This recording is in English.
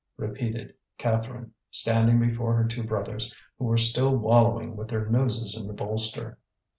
repeated Catherine, standing before her two brothers, who were still wallowing with their noses in the bolster.